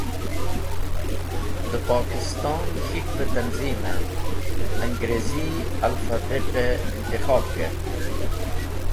De Pokiston K̃hikve tanzeem e Angreezi Alphabet e Intikhob kert.